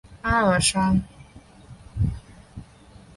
阿尔桑。